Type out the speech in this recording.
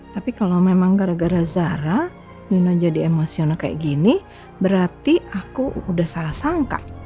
tapi kalau memang gara gara zara minum jadi emosional kayak gini berarti aku udah salah sangka